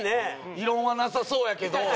異論はなさそうやけど。